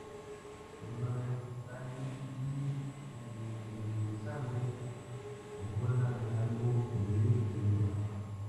Por una vez, Stannis y Melisandre concuerdan en algo: acudir al Muro.